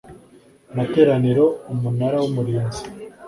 materaniro Umunara w Umurinzi